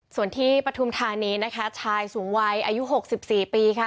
ส่วนที่ปฐุมธานีนะคะชายสูงวัยอายุ๖๔ปีค่ะ